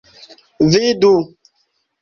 Vidu!